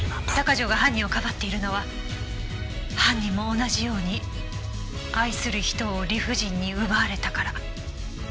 鷹城が犯人をかばっているのは犯人も同じように愛する人を理不尽に奪われたから。